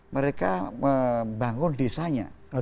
mereka membangun desanya